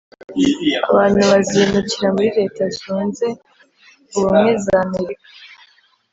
abantu bazimukira muri leta zunze ubumwe za amerika